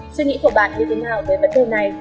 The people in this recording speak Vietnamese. suy nghĩ của bạn như thế nào về vấn đề này